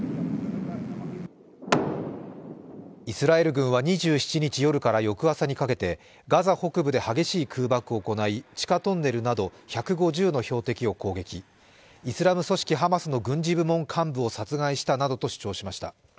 イスラエル軍は２７日夜から翌朝にかけてガザ北部で激しい空爆を行い地下トンネルなど１５０の標的を攻撃イスラム組織ハマスの軍事部門幹部を殺害したなどと主張しました。